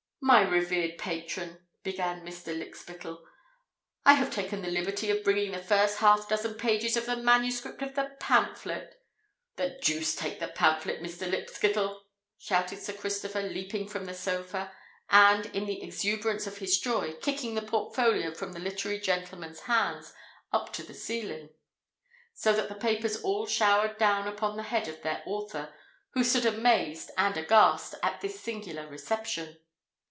"My revered patron," began Mr. Lykspittal, "I have taken the liberty of bringing the first half dozen pages of the manuscript of the pamphlet——" "The deuce take the pamphlet, Mr. Lykspittal!" shouted Sir Christopher, leaping from the sofa, and, in the exuberance of his joy, kicking the portfolio from the literary gentleman's hands up to the ceiling, so that the papers all showered down upon the head of their author, who stood amazed and aghast at this singular reception.